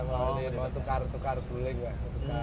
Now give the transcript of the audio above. mau tukar tukar guling lah